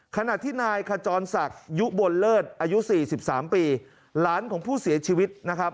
ขณะที่นายขจรศักดิ์ยุบลเลิศอายุ๔๓ปีหลานของผู้เสียชีวิตนะครับ